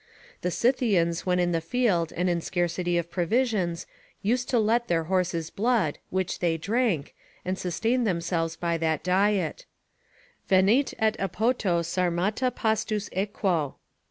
The Scythians when in the field and in scarcity of provisions used to let their horses blood, which they drank, and sustained themselves by that diet: "Venit et epoto Sarmata pastus equo."